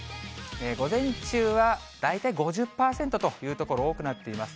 午前中は大体５０％という所多くなっています。